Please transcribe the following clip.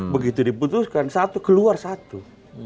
begitu diputuskan satu keluar satu